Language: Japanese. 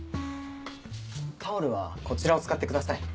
タオルはこちらを使ってください。